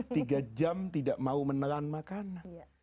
tiga jam tidak mau menelan makanan